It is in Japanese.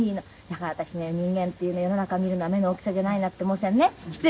だから私ね「人間っていうのは世の中を見るのは目の大きさじゃないな」って申したのね失礼だけども。